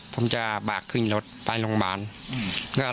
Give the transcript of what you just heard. ผมจะบากขึ้นรถไปโรงพยาบาล